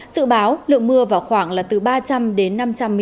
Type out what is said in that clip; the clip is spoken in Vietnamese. sự báo lượng mưa vào khoảng là từ ba trăm linh đến năm trăm linh mm